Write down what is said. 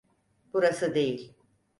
Burası değil.